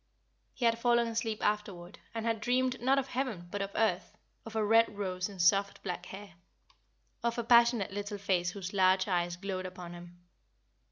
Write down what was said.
He had fallen asleep afterward, and had dreamed not of heaven but of earth, of a red rose in soft black hair, and of a passionate little face whose large eyes glowed upon him.